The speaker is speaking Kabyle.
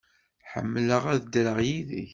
Ḥemmleɣ ad ddreɣ yid-k.